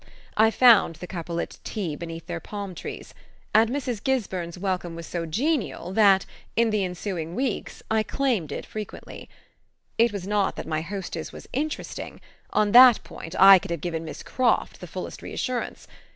I found the couple at tea beneath their palm trees; and Mrs. Gisburn's welcome was so genial that, in the ensuing weeks, I claimed it frequently. It was not that my hostess was "interesting": on that point I could have given Miss Croft the fullest reassurance.